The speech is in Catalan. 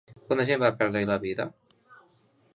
Quanta gent va perdre-hi la vida?